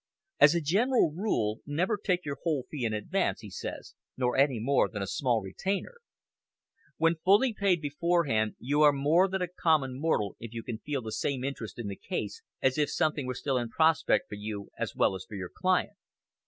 "As a general rule, never take your whole fee in advance," he says, "nor any more than a small retainer. When fully paid beforehand you are more than a common mortal if you can feel the same interest in the case as if something were still in prospect for you as well as for your client."